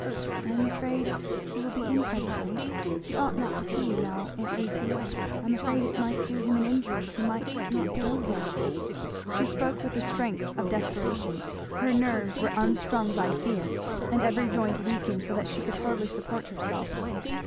"I am afraid he will be in presently he ought not to see you now Aunt Lucy, I am afraid it might do him an injury he might not get over " She spoke with the strength of desperation; her nerves were unstrung by fear, and every joint weakened so that she could hardly support herself.